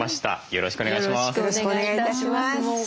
よろしくお願いします。